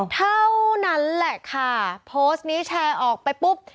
เท่านั้นแหละค่ะโพสต์นี้แชร์ออกไปปุ๊บ